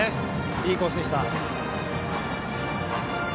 いいコースでした。